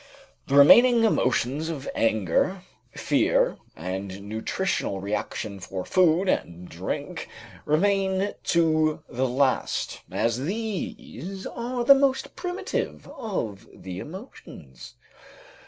The remaining emotions of anger, fear and nutritional reaction for food and drink remain to the last, as these are the most primitive of the emotions.